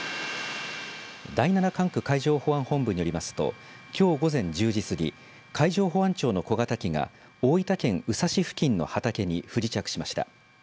第７管区海上保安本部によりますときょう午前１０時過ぎ海上保安庁の小型機が大分県宇佐市付近の畑に不時着しました。